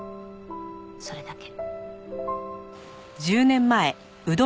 それだけ。